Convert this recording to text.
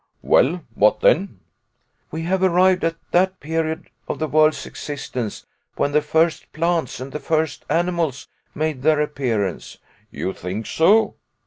"Well; what then?" "We have arrived at that period of the world's existence when the first plants and the first animals made their appearance." "You think so?"